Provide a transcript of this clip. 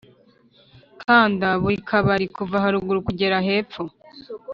kanda buri kabari kuva harugu kugera hepfo